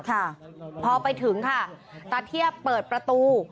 ค่ะพอไปถึงค่ะตาเทียบเปิดประตู